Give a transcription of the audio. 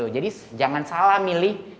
jadi jangan salah memilih